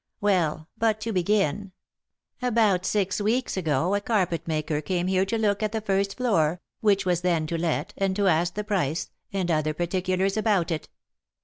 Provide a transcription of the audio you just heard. Well, but to begin. About six weeks ago a carpet maker came here to look at the first floor, which was then to let, and to ask the price, and other particulars about it.